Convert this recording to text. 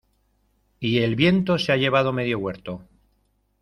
y el viento se ha llevado medio huerto.